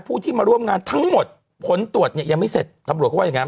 ผู้ที่มาร่วมงานทั้งหมดผลตรวจเนี่ยยังไม่เสร็จ